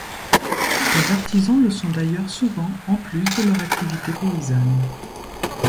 Les artisans le sont d'ailleurs souvent en plus de leur activité paysanne.